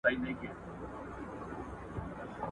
ټولنیز عدالت د اسلامي شریعت بنسټ دی.